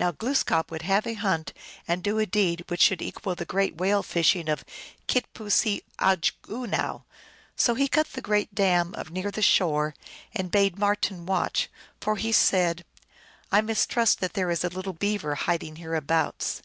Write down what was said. Now Glooskap would have a hunt and do a deed which should equal the great whale fishing of Kit pooseeog unow. So he cut the great dam near the shore, and bade Marten watch ; for he said, " I mis trust that there is a little Beaver hiding hereabouts."